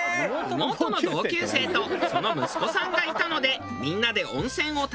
妹の同級生とその息子さんがいたのでみんなで温泉を堪能する事に。